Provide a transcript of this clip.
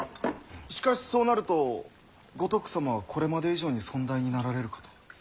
しかしそうなると五徳様はこれまで以上に尊大になられるかと。